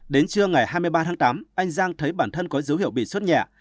đến trưa ngày hai mươi ba tháng tám anh giang thấy bản thân có dấu hiệu bị suốt nhẹ